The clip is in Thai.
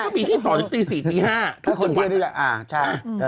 มีที่ต่อตี๔๕ทุกจังหวัด